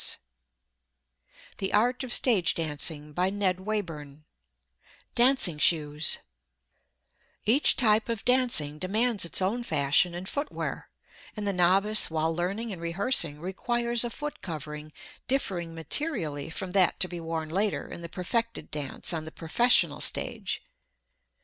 [Illustration: NW] DANCING SHOES Each type of dancing demands its own fashion in footwear, and the novice while learning and rehearsing requires a foot covering differing materially from that to be worn later in the perfected dance on the professional stage.